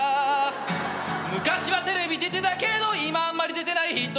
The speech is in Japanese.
「昔はテレビ出てたけど今はあんまり出てない人には」